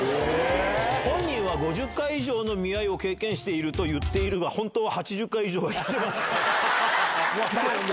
本人は５０回以上の見合いを経験していると言っているが、本当は８０回以上は行ってます。